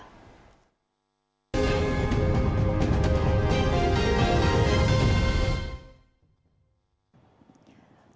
tiểu mục tài sản